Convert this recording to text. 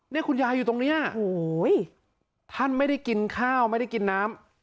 นี่คุณยายอยู่ตรงนี้โอ้โหท่านไม่ได้กินข้าวไม่ได้กินน้ำ